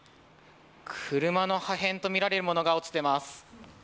車の破片とみられるものが落ちています。